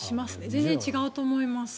全然違うと思います。